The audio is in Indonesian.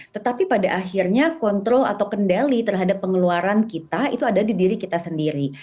tetapi pada akhirnya kontrol atau kendali terhadap pengeluaran kita itu ada di diri kita sendiri